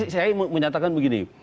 saya menyatakan begini